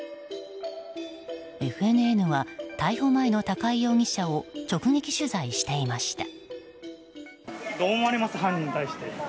ＦＮＮは逮捕前の高井容疑者を直撃取材していました。